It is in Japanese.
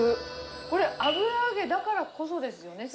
これ、油揚げだからこそですよね、先生。